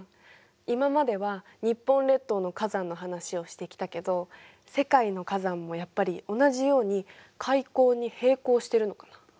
今までは日本列島の火山の話をしてきたけど世界の火山もやっぱり同じように海溝に平行してるのかな。